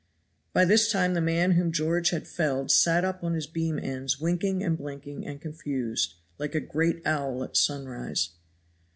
By this time the man whom George had felled sat up on his beam ends winking and blinking and confused, like a great owl at sunrise.